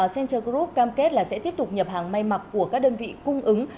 center group cam kết là sẽ tiếp tục nhập hàng may mặc của các đơn vị cung ứng